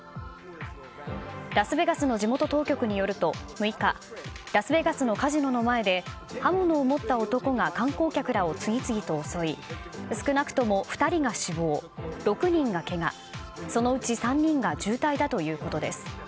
ラスベガスの地元当局によると６日、ラスベガスのカジノの前で刃物を持った男が観光客らを次々と襲い少なくとも２人が死亡６人がけがそのうち３人が重体だということです。